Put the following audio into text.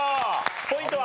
ポイントは？